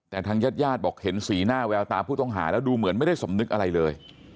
แต่ทางญาติญาติบอกเห็นสีหน้าแววตาผู้ต้องหาแล้วดูเหมือนไม่ได้สำนึกอะไรเลย